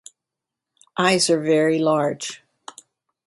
Eyes are very large.